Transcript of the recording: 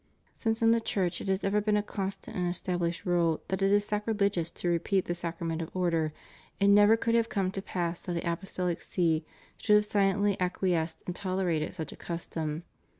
Since in the Church it has ever been a constant and established rule that it is sacrilegious to repeat the Sacrament of Order, it never could have come to pass that the ApostoUc See should have silently ac quiesced and tolerated such a custom.